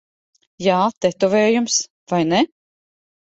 Jā, tetovējums. Vai ne?